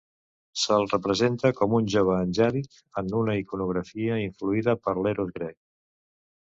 Se'l representa com un jove angèlic, en una iconografia influïda per l'Eros grec.